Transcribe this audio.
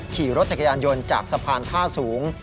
ขี่รถจักรยานยนต์จากสะพานท่าสูง